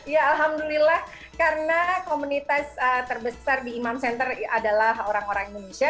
ya alhamdulillah karena komunitas terbesar di imam center adalah orang orang indonesia